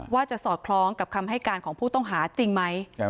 สอดคล้องกับคำให้การของผู้ต้องหาจริงไหม